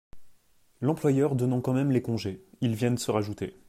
L’employeur donnant quand même les congés, ils viennent se rajouter.